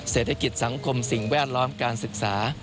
เศรษฐกิจสังคมสิ่งแวดล้อมการศึกษา